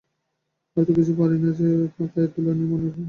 আর তো কিছুই পারি নে, পায়ের ধুলো নিয়ে মনে মনে মাপ চাই।